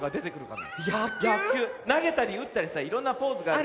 なげたりうったりさいろんなポーズがある。